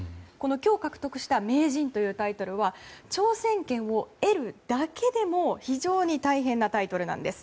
今日獲得した名人というタイトルは挑戦権を得るだけでも非常に大変なタイトルなんです。